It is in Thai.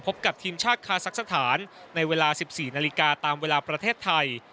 พบกับทีมชาติคาซักสถานในเวลา๑๔นาฬิกาตามเวลาประเทศไทย